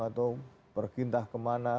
atau pergi entah kemana